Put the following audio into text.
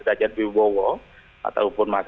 dajat bibowo ataupun mas